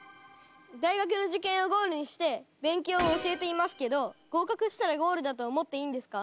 大学の受験をゴールにして勉強を教えていますけど合格したらゴールだと思っていいんですか？